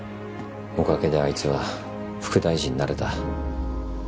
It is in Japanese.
おかげであいつは副大臣になれた。